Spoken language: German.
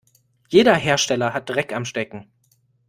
Jeder Hersteller hat Dreck am Stecken.